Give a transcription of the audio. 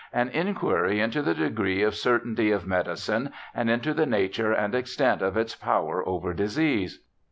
An Inquiry into the Degree of Certainty of Medicine^ and into the Nature and Extent of its Power over Disease.